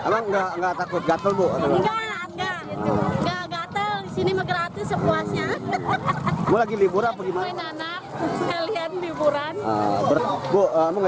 bu kamu takut gatel gatel atau gimana